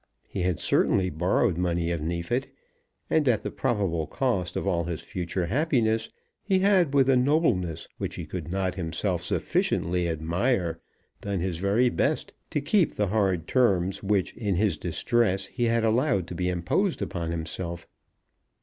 He had certainly borrowed money of Neefit; and at the probable cost of all his future happiness he had, with a nobleness which he could not himself sufficiently admire, done his very best to keep the hard terms which in his distress he had allowed to be imposed upon himself.